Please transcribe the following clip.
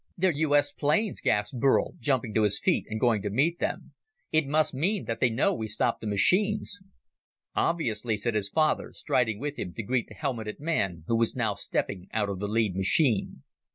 "They're U.S. planes!" gasped Burl, jumping to his feet and going to meet them. "It must mean that they know we stopped the machines." "Obviously," said his father, striding with him to greet the helmeted man who was now stepping out of the lead machine.